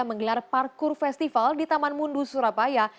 menggelar parkur festival di taman mundu surabaya